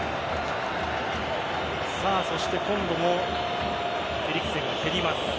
そして今度もエリクセンが蹴ります。